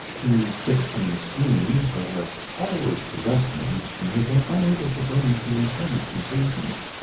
Two fiction schemes that had always possessed him he had been unable to bring to any conclusion.